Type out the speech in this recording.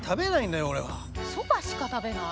そばしか食べない？